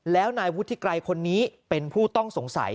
แล้วนายวุฒิไกรคนนี้เป็นผู้ต้องสงสัย